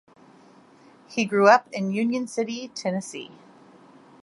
He grew up in Union City, Tennessee.